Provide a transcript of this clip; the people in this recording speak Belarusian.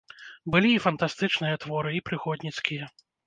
Былі і фантастычныя творы, і прыгодніцкія.